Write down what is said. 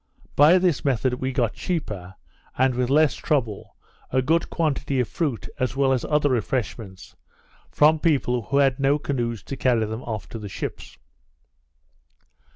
By this method we got cheaper, and with less trouble, a good quantity of fruit, as well as other refreshments, from people who had no canoes to carry them off to the ships.